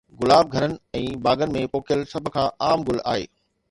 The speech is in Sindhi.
گلاب گهرن ۽ باغن ۾ پوکيل سڀ کان عام گل آهي